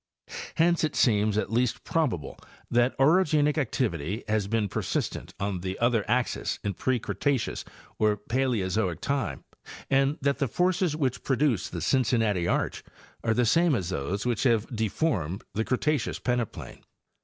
Hence it eems at least probable that orogenic activity has been persistent , the other axes in pre Cretaceous or Paleozoic time, and that he forces which produced the Cincinnati arch are the same as those which have deformed the Cretaceous peneplain.